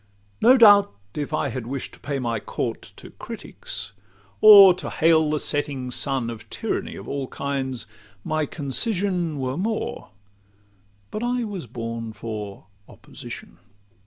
No doubt, if I had wish' to pay my court To critics, or to hail the setting sun Of tyranny of all kinds, my concision Were more;—but I was born for opposition.